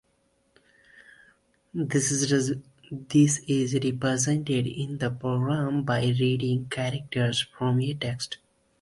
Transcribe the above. This is represented in the program by reading characters from a text.